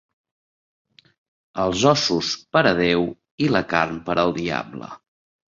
Els ossos per a Déu i la carn per al diable.